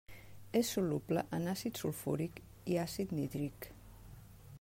És soluble en àcid sulfúric i àcid nítric.